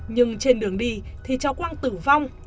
nhưng trên đường đi thì cháu quang tử vong